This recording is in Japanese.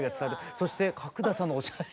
そして角田さんのお写真。